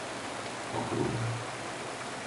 Okrúhle